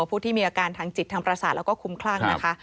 ผู้ที่มีอาการทางจิตทางประสาทแล้วก็คุ้มคลั่งนะคะ